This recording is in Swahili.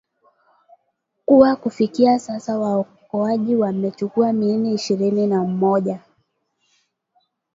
kuwa kufikia sasa waokoaji wamechukua miili ishirini na moja